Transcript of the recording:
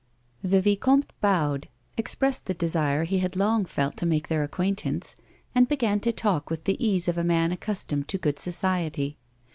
The vicomte bowed, expressed the desire he had long felt to make their acquaintance, and began to talk with the ease of a man accustomed to good society.